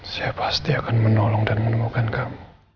saya pasti akan menolong dan menemukan kamu